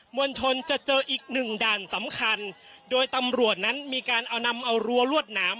วลชนจะเจออีกหนึ่งด่านสำคัญโดยตำรวจนั้นมีการเอานำเอารั้วรวดหนาม